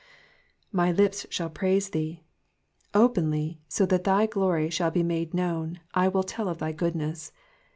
''''My lips shall praise thee,'''' Openly, so that thy glory shall be made known, I will tell of thy goodness.